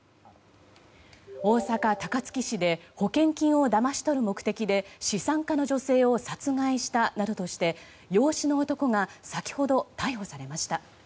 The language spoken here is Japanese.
大阪・高槻市で保険金をだまし取る目的で資産家の女性を殺害したなどとして養子の男が先ほど逮捕されました。